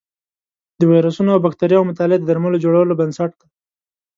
د ویروسونو او بکتریاوو مطالعه د درملو جوړولو بنسټ دی.